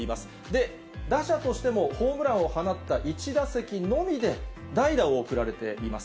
で、打者としてもホームランを放った１打席のみで代打を送られています。